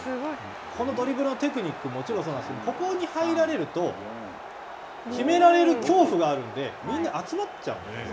このドリブルのテクニックももちろんそうなんですけどここに入られると決められる恐怖があるので、みんな集まっちゃうんです。